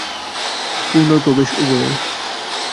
পূর্ণর প্রবেশ উভয়ে।